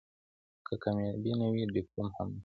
که کامیابي نه وي ډیپلوم هم نشته .